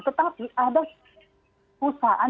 tetapi ada usahaan